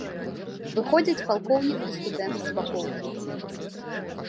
Выходзяць палкоўнік і студэнт з бакоўкі.